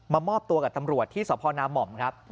มอบตัวกับตำรวจที่สพนาม่อมครับ